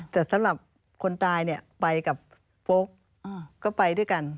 แต่สำหรับคนตายเนี่ยไปกับโฟลกก็ไปด้วยกัน